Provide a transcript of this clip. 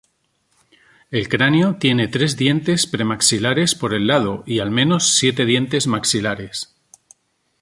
El cráneo tiene tres dientes premaxilares por lado y al menos siete dientes maxilares.